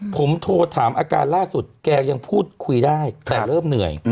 ผมโทรถามอาการล่าสุดแกยังพูดคุยได้แต่เริ่มเหนื่อย